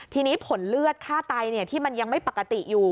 ทีนี้ผลเลือดฆ่าไตที่มันยังไม่ปกติอยู่